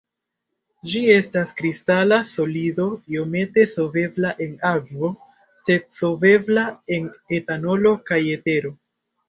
Ĝi estas kristala solido iomete solvebla en akvo, sed solvebla en etanolo kaj etero.